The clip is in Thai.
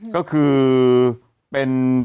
ก็คือเป็น